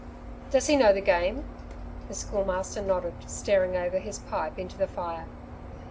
"Does he know the game?" The Schoolmaster nodded, staring over his pipe into the fire.